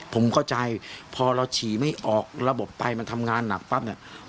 ผมเข้าใจพอเราฉี่ไม่ออกระบบไปมันทำงานหนักปั๊บเนี่ย